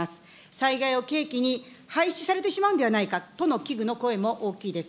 災害を契機に廃止されてしまうんではないかとの危惧の声も大きいです。